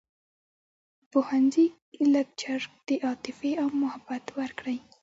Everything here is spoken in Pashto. په پوهنځیوکې لکچر د عاطفې او محبت ورکړی